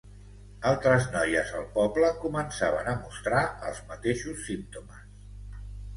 Altres noies al poble començaven a mostrar els mateixos símptomes.